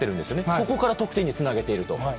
そこから得点につなげていると。